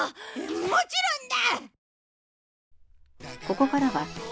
もちろんだ！